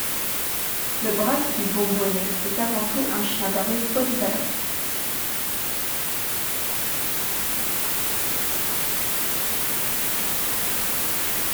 Le braque du Bourbonnais est avant tout un chien d'arrêt polyvalent.